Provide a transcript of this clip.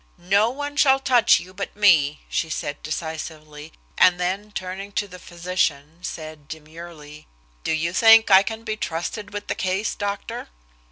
"No one shall touch you but me," she said decisively, and then turning to the physician, said demurely: "Do you think I can be trusted with the case, doctor?"